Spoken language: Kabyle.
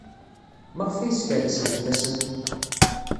Maɣef ay skerksen fell-asen?